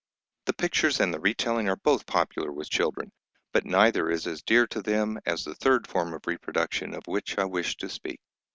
The pictures and the retelling are both popular with children, but neither is as dear to them as the third form of reproduction of which I wish to speak.